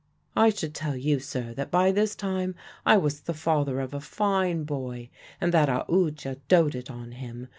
"I should tell you, sir, that by this time I was the father of a fine boy; and that Aoodya doted on him.